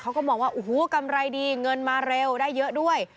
เขาก็มองว่าโอ้โหกำไรดีเงินมาเร็วได้เยอะด้วย